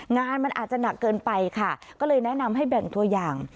งานมันอาจจะหนักเกินไปค่ะก็เลยแนะนำให้แบ่งตัวอย่าง